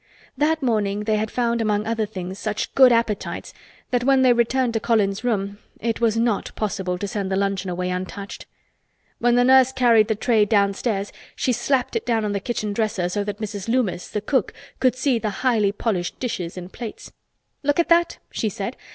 That morning they had found among other things such good appetites that when they returned to Colin's room it was not possible to send the luncheon away untouched. When the nurse carried the tray downstairs she slapped it down on the kitchen dresser so that Mrs. Loomis, the cook, could see the highly polished dishes and plates. "Look at that!" she said.